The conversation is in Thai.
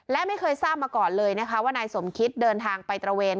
และไม่เคยทราบมาก่อนเลยนะคะว่านายสมคิตเดินทางไปตระเวน